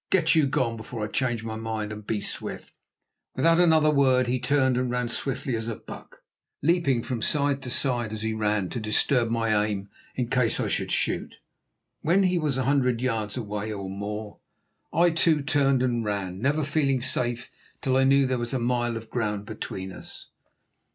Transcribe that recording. Get you gone before I change my mind, and be swift." Without another word he turned and ran swiftly as a buck, leaping from side to side as he ran, to disturb my aim in case I should shoot. When he was a hundred yards away or more I, too, turned and ran, never feeling safe till I knew there was a mile of ground between us.